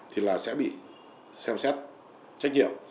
thì sẽ bị xem xét trách nhiệm